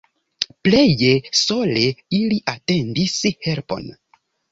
Pleje sole ili atendis helpon.